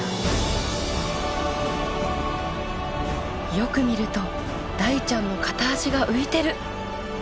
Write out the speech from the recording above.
よく見ると大ちゃんの片足が浮いてる！